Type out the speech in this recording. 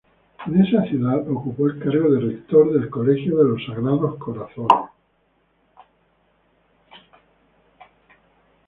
En esa ciudad ocupó el cargo de Rector del Colegio de los Sagrados Corazones.